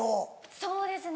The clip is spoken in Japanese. そうですね